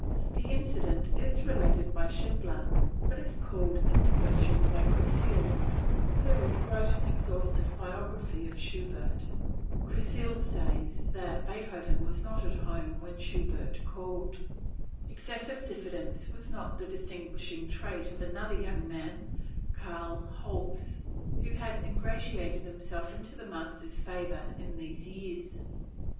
The incident is related by Schindler, but is called into question by Kreissle, who wrote an exhaustive biography of Schubert. Kreissle says that Beethoven was not at home when Schubert called. Excessive diffidence was not the distinguishing trait of another young man, Karl Holz, who had ingratiated himself into the master's favor in these years.